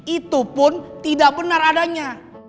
itu pun tidak benar adanya